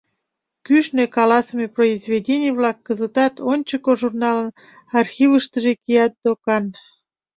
Кӱшнӧ каласыме произведений-влак кызытат «Ончыко» журналын архивыштыже кият докан.